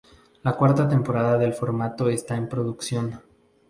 La cuarta temporada del formato esta en producción.